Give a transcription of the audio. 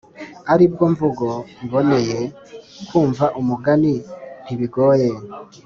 ari bwo mvugo iboneye, kumva umugani ntibigoye.